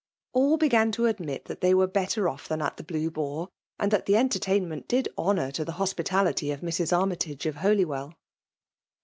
AD began to admit that they were better off lluuft aA the Blue Boar, and that the entertaiit nent did honoiff to the hospitality of Mra. Annytage of Holywell.